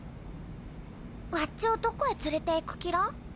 わっちをどこへ連れていく気ら？